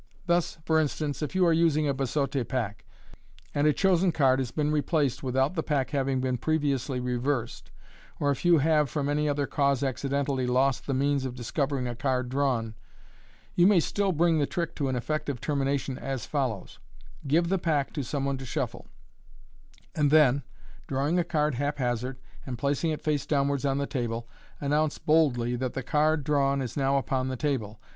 Thus, for instance, if you sue using a biseauie pack, and a chosen card has been replaced with f 14 MODERN MAGIC. out the pack having been previously reversed, or if you have from any other cause accidentally lost the means of discovering a card drawn, you may still bring the trick to an effective termination as follows :— Give the pack to some one to shuffle, and then, drawing a card haphazard, and placing it face downwards on the table, announce boldly that the card drawn is now upon the table.